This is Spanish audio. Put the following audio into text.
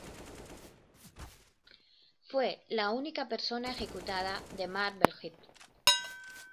Fue la única persona ejecutada de Marblehead.